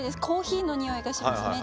コーヒーのにおいがします